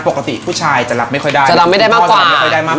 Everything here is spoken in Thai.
ปกติผู้ชายจะรับไม่ค่อยได้จะรับไม่ได้มากกว่า